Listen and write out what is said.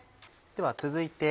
では続いて。